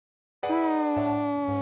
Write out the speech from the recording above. うん。